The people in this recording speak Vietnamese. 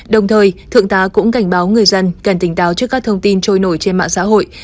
đồng thời thượng tá cũng cảnh báo người dân cần tỉnh táo trước các thông tin trôi nổi trên mạng xã hội